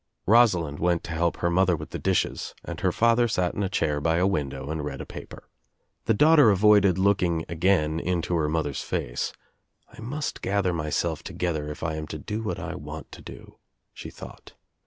Rosalind went to help her mother with the disJiesi and her father sat in a chair by a window and read & paper. The daughter avoided looking again into her mother's face. "I must gather myself together if I am to do what I want to do," she thought.